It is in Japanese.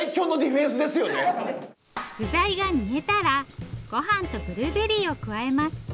具材が煮えたらごはんとブルーベリーを加えます。